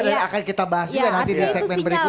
dan akan kita bahas juga nanti di segmen berikutnya